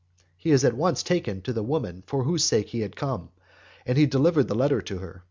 He is at once taken to the woman for whose sake he had come; and he delivered the letter to her.